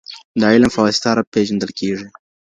د علم په واسطه رب پيژندل کيږي.